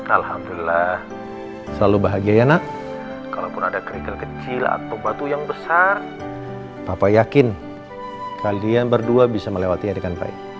alhamdulillah selalu bahagia ya nak kalaupun ada kerikel kecil atau batu yang besar papa yakin kalian berdua bisa melewati adegan pai